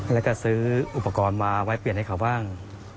แล้วก็ซื้ออุปกรณ์มาไว้เปลี่ยนให้เขาบ้าง